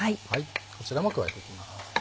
こちらも加えていきます。